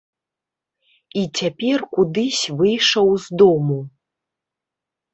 І цяпер кудысь выйшаў з дому.